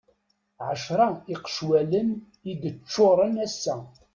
Ɛecra iqecwalen i d-ččuren ass-a.